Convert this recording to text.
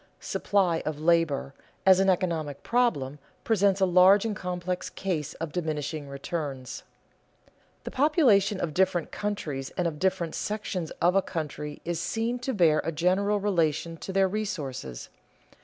"Supply of labor," as an economic problem, presents a large and complex case of diminishing returns. The population of different countries and of different sections of a country is seen to bear a general relation to their resources.